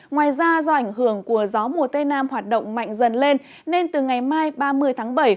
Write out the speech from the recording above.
ngoài ra do ảnh hưởng của gió mùa tây nam hoạt động mạnh dần lên nên từ ngày mai ba mươi tháng bảy